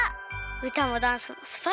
うたもダンスもすばらしかったです。